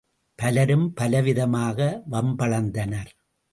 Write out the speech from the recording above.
பலரும் பலவிதமாக வம்பளந்தனர்.